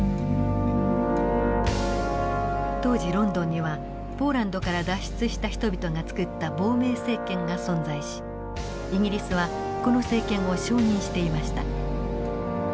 当時ロンドンにはポーランドから脱出した人々が作った亡命政権が存在しイギリスはこの政権を承認していました。